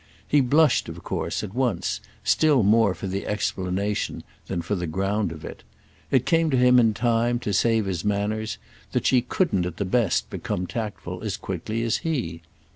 He blushed of course, at once, still more for the explanation than for the ground of it: it came to him in time to save his manners that she couldn't at the best become tactful as quickly as he.